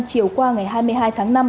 chiều qua ngày hai mươi hai tháng năm